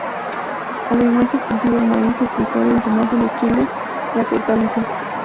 Además se cultiva el maíz, el frijol, el tomate, los chiles, las hortalizas.